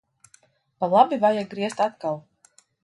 Pa labi vajag griezt atkal.